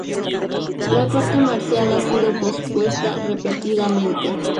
La corte marcial ha sido pospuesta repetidamente.